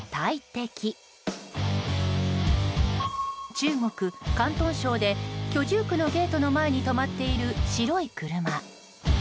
中国・広東省で居住区のゲートの前に止まっている白い車。